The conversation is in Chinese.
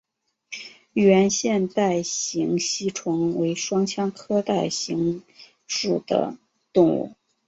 圆腺带形吸虫为双腔科带形属的动物。